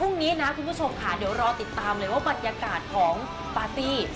พรุ่งนี้นะคุณผู้ชมค่ะเดี๋ยวรอติดตามเลยว่าบรรยากาศของปาร์ตี้